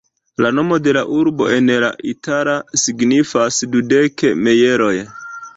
La nomo de la urbo en la itala signifas ""dudek mejloj"".